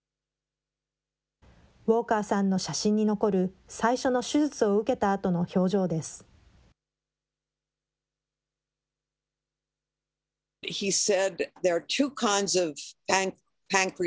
ウォーカーさんの写真に残る、最初の手術を受けたあとの表情です。